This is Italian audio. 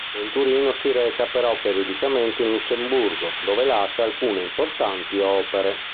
Venturino si reca però periodicamente in Lussemburgo, dove lascia alcune importanti opere.